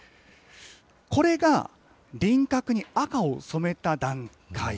これが輪郭に赤を染めた段階。